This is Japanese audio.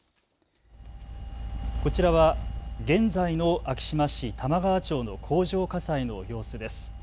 こちらは現在の昭島市玉川町の工場火災の様子です。